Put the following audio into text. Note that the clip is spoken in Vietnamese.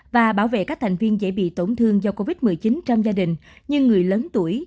và bảo vệ các thành viên dễ bị tổn thương do covid một mươi chín trong gia đình như người lớn tuổi